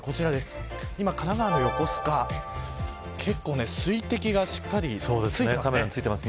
神奈川の横須賀水滴がしっかり付いています。